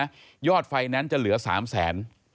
เท่าไหร่น้ำมัดไฟแนนซ์จะเหลือ๓แสน